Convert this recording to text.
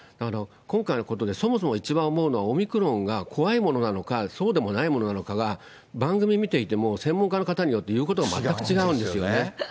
今回のことで、そもそも一番思うのは、オミクロンが怖いものなのか、そうでもないものなのかが、番組見ていても、専門家の方によって言うことが全く違うんですよね。